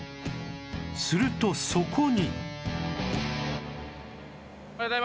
するとそこに